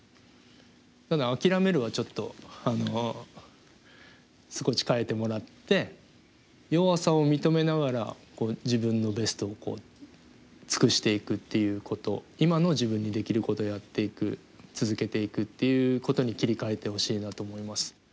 ただ「諦める」はちょっとあの少し変えてもらって弱さを認めながら自分のベストを尽くしていくっていうこと今の自分にできることをやっていく続けていくっていうことに切り替えてほしいなと思います。